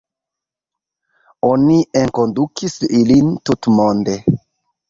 Oni enkondukis ilin tutmonde.